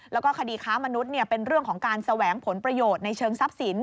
แล้วก็คดีค้ามนุษย์เป็นเรื่องของการแสวงผลประโยชน์ในเชิงทรัพย์สิน